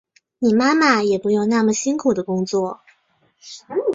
你妈妈也不用那么辛苦的工作